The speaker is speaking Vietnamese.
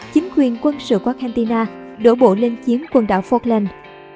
chính quyền quân sự của argentina đổ bộ lên chiếm quần đảo falkland